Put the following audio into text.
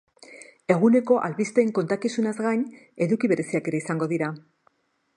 Eguneko albisteen kontakizunaz gain, eduki bereziak ere izango dira.